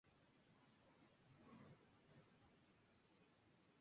No obstante, el proyecto no se llevó a cabo en ese momento.